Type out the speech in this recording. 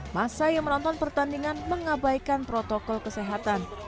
masa yang menonton pertandingan mengabaikan protokol kesehatan